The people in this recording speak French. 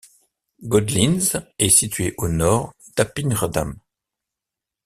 Godlinze est situé au nord d'Appingedam.